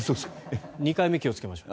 ２回目気をつけましょう。